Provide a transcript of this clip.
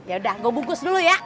yaudah gue bungkus dulu ya